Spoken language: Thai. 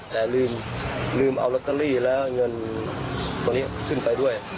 แต่ลืมเอาลอตเตอรี่และเงินตัวนี้ขึ้นไปด้วย